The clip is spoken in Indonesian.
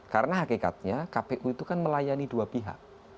karena hakikatnya kpu itu kan melayani dua pihak